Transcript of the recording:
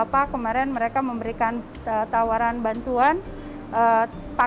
bukalapak kemarin mereka memberikan tawaran bantuan paket gitu ya untuk umkm